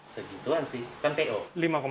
segituan sih kan po